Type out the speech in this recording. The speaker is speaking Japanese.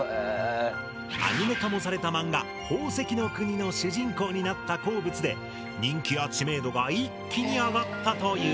アニメ化もされた漫画「宝石の国」の主人公になった鉱物で人気や知名度が一気に上がったという。